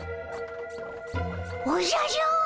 おじゃじゃ。